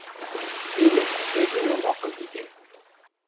Dîn e lê dînan baqil dike